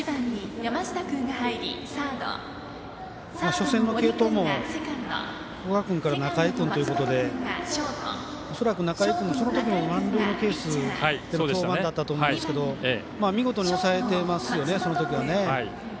初戦の継投も古賀君から仲井君ということでおそらく、仲井君そのとき満塁のケースでの登板だったと思うんですけど見事に抑えてますよね、その時は。